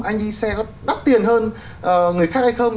anh đi xe có đắt tiền hơn người khác hay không